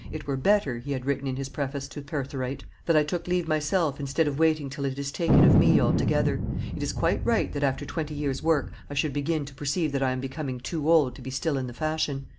"It were better," he had written in his preface to Pertharite, "that I took leave myself instead of waiting till it is taken of me altogether; it is quite right that after twenty years' work I should begin to perceive that I am becoming too old to be still in the fashion.